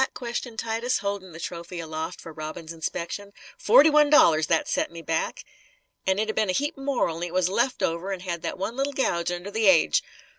questioned Titus, holding the trophy aloft for Robin's inspection. "Forty one dollars, that set me back. An' it'd a' been a heap more, only it was a left over, an' had that one little gouge under the aidge.